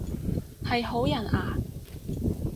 係好人啊？